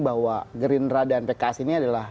bahwa gerindra dan pks ini adalah